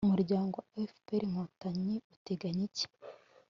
umuryango wa fpr-inkotanyi uteganya iki